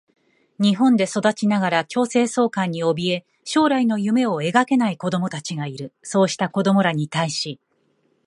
日本で育ちながら強制送還におびえ、将来の夢を描けない子どもたちがいる。そうした子どもらに対し、